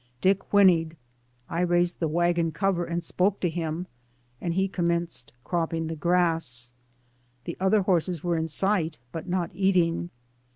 Dick whinnied. I raised the wagon cover and spoke to him, and he com menced cropping the grass. The other horses were in sight, but not eating.